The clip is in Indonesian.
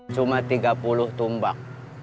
cuma tiga puluh tumbak